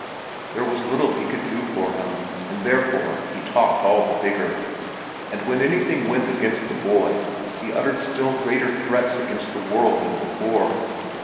There was little he could do for him, and therefore he talked all the bigger; and when anything went against the boy, he uttered still greater threats against the world than before.